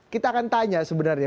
kita akan tanya sebenarnya